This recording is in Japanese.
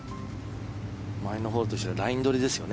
前のホールと一緒でライン取りですよね。